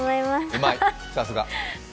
うまい、さすが。